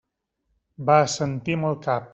Va assentir amb el cap.